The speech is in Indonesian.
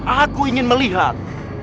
aku ingin melihat